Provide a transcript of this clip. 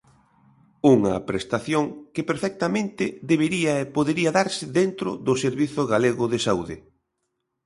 Unha prestación que perfectamente debería e podería darse dentro do Servizo Galego de Saúde.